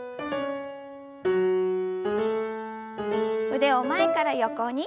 腕を前から横に。